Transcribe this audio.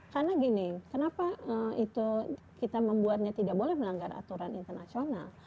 karena gini kenapa itu kita membuatnya tidak boleh melanggar aturan internasional